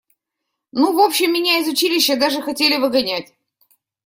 Ну, в общем, меня из училища даже хотели выгонять.